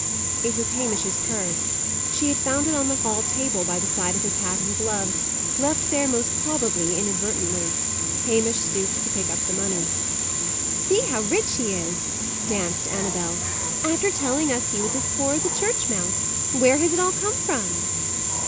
It was Hamish's purse. She had found it on the hall table, by the side of his hat and gloves, left there most probably inadvertently. Hamish stooped to pick up the money. "See how rich he is!" danced Annabel; "after telling us he was as poor as a church mouse! Where has it all come from?"